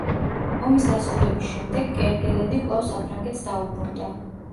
ომის დასრულების შემდეგ, კერგელენი კვლავ საფრანგეთს დაუბრუნდა.